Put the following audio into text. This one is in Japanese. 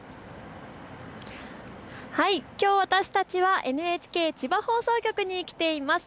きょう私たちはＮＨＫ千葉放送局に来ています。